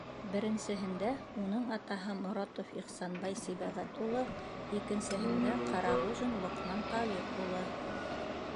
Беренсеһендә уның атаһы - Моратов Ихсанбай Сибәғәт улы, икенсеһендә - Ҡарағужин Лоҡман Талип улы.